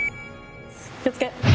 気をつけ。